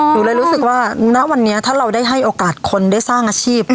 หนูเลยรู้สึกว่าณวันนี้ถ้าเราได้ให้โอกาสคนได้สร้างอาชีพ